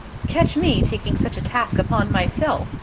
"Catch me taking such a task upon myself!